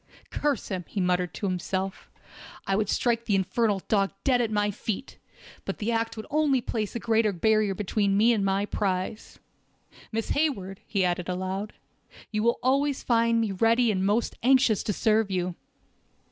Curse him!" he muttered to himself, "I would strike the infernal dog dead at my feet, but the act would only place a greater barrier between me and my prize. Miss Hayward," he added aloud, "you will always find me ready and most anxious to serve you."